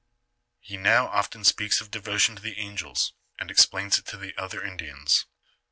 He now often speaks of devotion to the angels, and explains it to the other Indians.